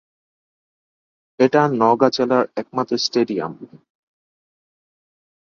এটা নওগাঁ জেলার একমাত্র স্টেডিয়াম।